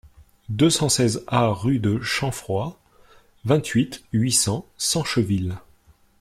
deux cent seize A rue de Champfroid, vingt-huit, huit cents, Sancheville